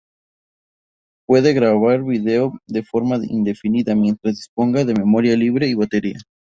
Puede grabar vídeo de forma indefinida mientras disponga de memoria libre y batería.